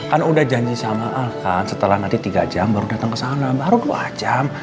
kan udah janji sama al kan setelah nanti tiga jam baru datang ke sana baru dua jam